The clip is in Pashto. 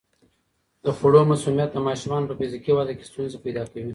د خوړو مسمومیت د ماشومانو په فزیکي وده کې ستونزې پیدا کوي.